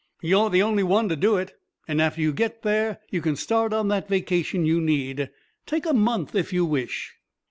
You're the only one to do it, and after you get there, you can start on that vacation you need. Take a month if you wish."